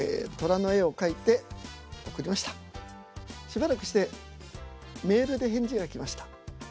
しばらくしてメールで返事が来ました。